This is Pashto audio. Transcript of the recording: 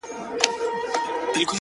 درته به وايي ستا د ښاريې سندري؛